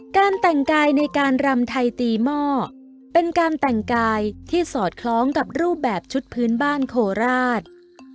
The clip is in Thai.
การแต่งกายในการรำไทยตีหม้อเป็นการแต่งกายที่สอดคล้องกับรูปแบบชุดพื้นบ้านโคราช